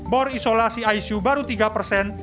bor isolasi icu baru tiga persen